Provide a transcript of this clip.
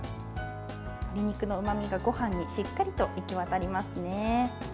鶏肉のうまみがごはんにしっかりといきわたりますね。